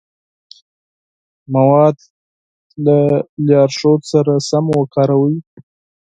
مواد له لارښود سره سم وکاروئ.